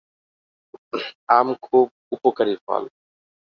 আম খুব উপকারী ফল।